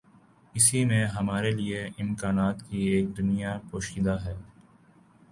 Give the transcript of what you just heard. اسی میں ہمارے لیے امکانات کی ایک دنیا پوشیدہ ہے۔